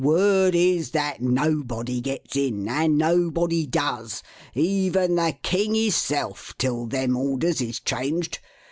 Word is that nobody gets in; and nobody does, even the king hisself, till them orders is changed.